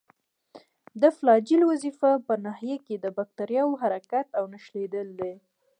د فلاجیل وظیفه په ناحیه کې د باکتریاوو حرکت او نښلیدل دي.